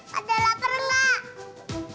pada lapar gak